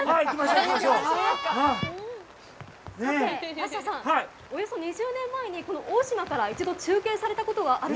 ラッシャーさん、およそ２０年前にこの大島から一度中継された事がある